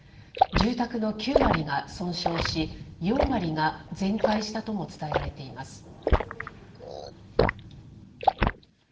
住宅の９割が損傷し、４割が全壊したとも伝えられています。